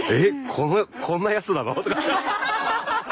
このこんなやつなの？とか。